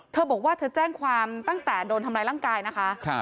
เธอบอกว่าเธอแจ้งความตั้งแต่โดนทำร้ายร่างกายนะคะ